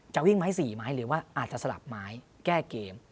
วิ่งไม้๔ไม้หรือว่าอาจจะสลับไม้แก้เกม